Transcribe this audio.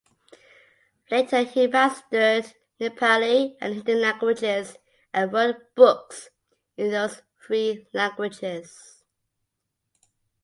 Later he mastered Nepali and Hindi languages and wrote books in those three languages.